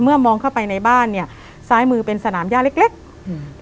มองเข้าไปในบ้านเนี้ยซ้ายมือเป็นสนามย่าเล็กเล็กอืม